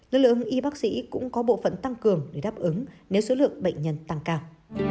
lực lượng y bác sĩ cũng có bộ phận tăng cường để đáp ứng nếu số lượng bệnh nhân tăng cao